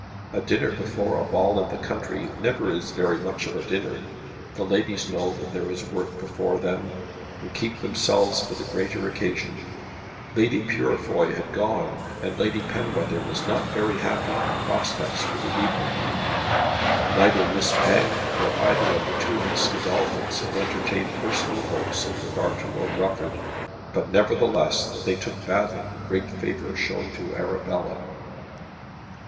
A dinner before a ball in the country never is very much of a dinner. The ladies know that there is work before them, and keep themselves for the greater occasion. Lady Purefoy had gone, and Lady Penwether was not very happy in the prospects for the evening. Neither Miss Penge nor either of the two Miss Godolphins had entertained personal hopes in regard to Lord Rufford, but nevertheless they took badly the great favour shown to Arabella.